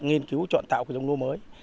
nghiên cứu chọn tạo dông lô mới